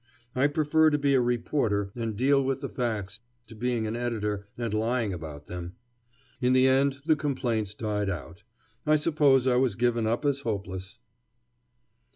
I prefer to be a reporter and deal with the facts to being an editor and lying about them. In the end the complaints died out. I suppose I was given up as hopeless.